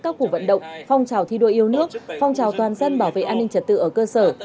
các cuộc vận động phong trào thi đua yêu nước phong trào toàn dân bảo vệ an ninh trật tự ở cơ sở